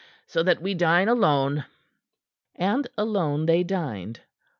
"So that we dine alone." And alone they dined.